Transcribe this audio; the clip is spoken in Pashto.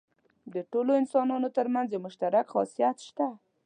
د ټولو انسانانو تر منځ یو مشترک خاصیت شته.